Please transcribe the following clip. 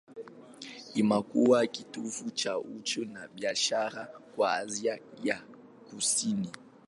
Imekuwa kitovu cha uchumi na biashara kwa Asia ya Kusini.